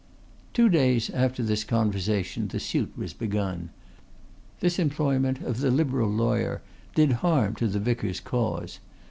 Two days after this conversation the suit was begun. This employment of the Liberal laywer did harm to the vicar's cause.